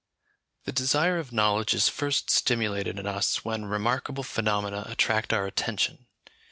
The desire of knowledge is first stimulated in us when remarkable phenomena attract our attention.